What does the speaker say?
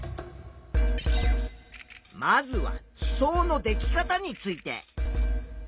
まずは地層のでき方について。